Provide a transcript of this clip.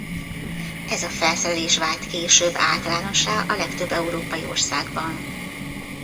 Ez a felszerelés vált később általánossá a legtöbb európai országban.